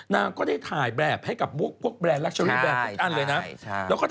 นางก็ได้ถ่ายแบบให้กับพวกแบรนดรักเชอรี่แรนดทุกอันเลยนะ